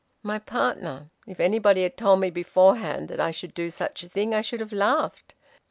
"My partner. If anybody had told me beforehand that I should do such a thing I should have laughed.